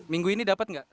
minggu ini dapat nggak